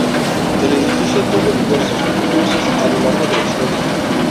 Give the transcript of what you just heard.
El edificio tuvo diversos usos a lo largo de la historia.